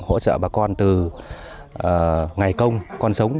hỗ trợ bà con từ ngày công con sống